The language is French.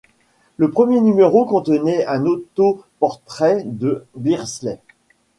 Le premier numéro contenait un auto-portrait de Beardsley.